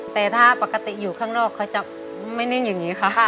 แต่ถ้าปกติอยู่ข้างนอกเขาจะไม่นิ่งอย่างนี้ค่ะ